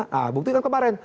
nah bukti kan kemarin